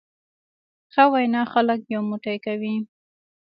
ښه وینا خلک یو موټی کوي.